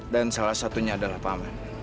dan salah satunya adalah paman